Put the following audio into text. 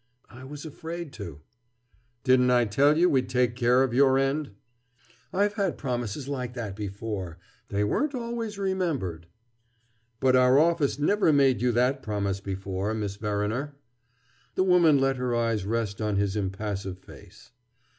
"I was afraid to." "Didn't I tell you we'd take care of your end?" "I've had promises like that before. They weren't always remembered." "But our office never made you that promise before, Miss Verriner." The woman let her eyes rest on his impassive face.